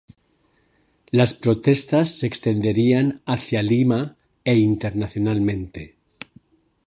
Las protestas se extenderían hacia Lima e internacionalmente.